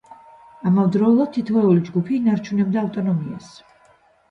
ამავდროულად თითოეული ჯგუფი ინარჩუნებდა ავტონომიას.